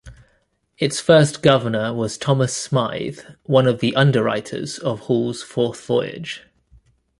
Its first governor was Thomas Smythe, one of the underwriters of Hall's fourth voyage.